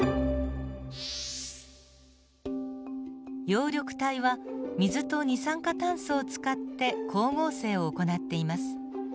葉緑体は水と二酸化炭素を使って光合成を行っています。